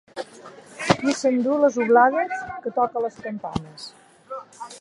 Qui s'endú les oblades, que toque les campanes.